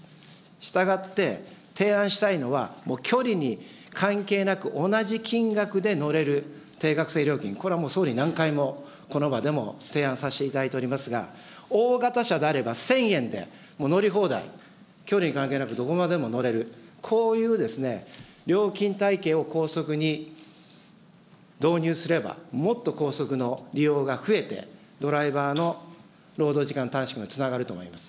したがって、提案したいのは、距離に関係なく、同じ金額で乗れる定額制料金、これはもう総理、何回もこの場でも提案させていただいておりますが、大型車であれば１０００円で乗り放題、距離に関係なくどこまでも乗れる、こういう料金体系を高速に導入すれば、もっと高速の利用が増えて、ドライバーの労働時間短縮につながると思います。